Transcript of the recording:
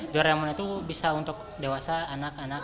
doraemon itu bisa untuk dewasa anak anak